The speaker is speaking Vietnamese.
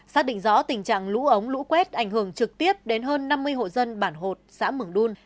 xác định rõ tình trạng lũ ống lũ quét ảnh hưởng trực tiếp đến hơn năm mươi hộ dân bản hột xã mường đun